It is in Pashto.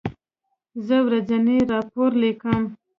زه ورځنی راپور لیکم.